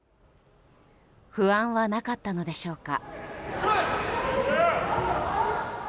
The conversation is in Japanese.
不安はなかったのでしょうか。